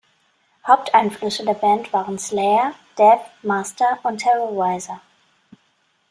Haupteinflüsse der Band waren Slayer, Death, Master und Terrorizer.